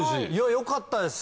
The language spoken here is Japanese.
よかったです。